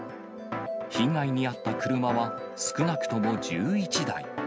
被害に遭った車は、少なくとも１１台。